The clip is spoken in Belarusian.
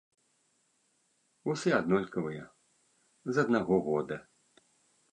Усе аднолькавыя, з аднаго года.